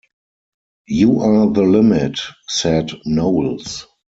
"You are the limit," said Knowles.